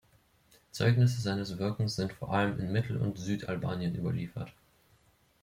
Zeugnisse seines Wirkens sind vor allem in Mittel- und Südalbanien überliefert.